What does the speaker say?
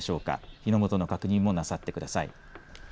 火の元の確認もなさってください。